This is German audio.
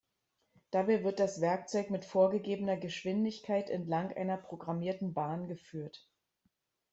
Dabei wird das Werkzeug mit vorgegebener Geschwindigkeit entlang einer programmierten Bahn geführt.